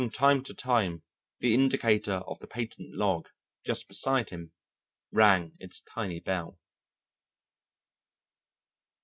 From time to time the indicator of the patent log, just beside him, rang its tiny bell.